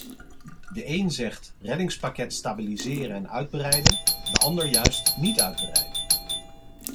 De één zegt reddingspakket stabiliseren en uitbreiden, de ander juist niet uitbreiden.